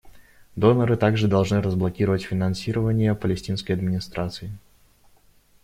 Доноры также должны разблокировать финансирование Палестинской администрации.